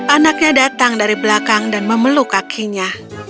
anaknya datang dari belakang dan memeluk kakinya